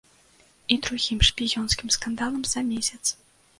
І другім шпіёнскім скандалам за месяц.